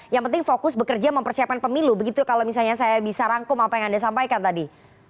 yang penting fokus bekerja mempersiapkan pemilu begitu kalau misalnya saya bisa rangkum apa yang anda sampaikan tadi